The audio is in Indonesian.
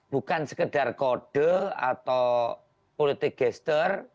bukan sekedar kode atau politik gesture